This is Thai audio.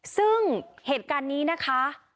ซึ่งเหตุการณ์นี้นะคะ